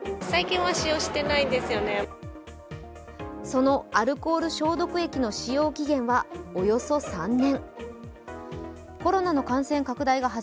そのアルコール消毒液の使用期限はおよそ３年。